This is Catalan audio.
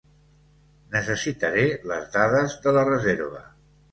Necessitaré les dades de la reserva.